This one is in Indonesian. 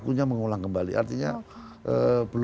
sekarangnya masih masing sharing kayanya ke